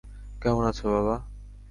কেমন আছো, বাবা?